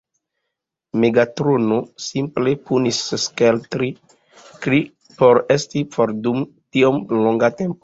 Megatrono simple punis Stelkri por esti for dum tiom longa tempo.